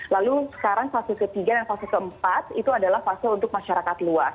lalu sekarang fase ketiga dan fase keempat itu adalah fase untuk masyarakat luas